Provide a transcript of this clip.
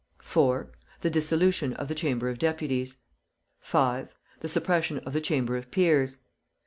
4. The dissolution of the Chamber of Deputies. 5. The suppression of the Chamber of Peers.